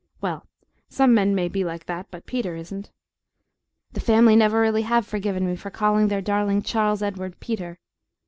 Well, some men may be like that, but Peter isn't. The family never really have forgiven me for calling their darling "Charles Edward" Peter.